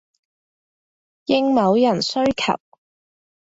應某人需求